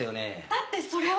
だってそれは！